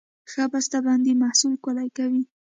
ښه بسته بندي محصول ښکلی کوي.